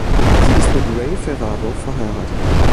Sie ist mit Ray Ferraro verheiratet.